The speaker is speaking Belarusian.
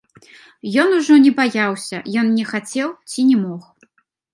Ён ужо не баяўся, ён не хацеў ці не мог.